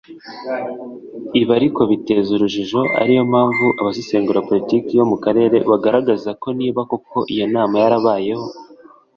Ibi ariko biteza urujijo ariyo mpamvu abasesengura politiki yo mu Karere bagaragaza ko niba koko iyo nama yarabayeho